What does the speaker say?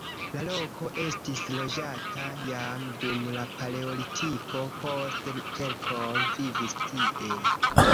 La loko estis loĝata jam dum la paleolitiko, poste keltoj vivis tie.